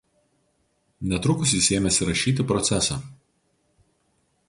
Netrukus jis ėmėsi rašyti „Procesą“.